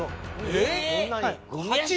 えっ？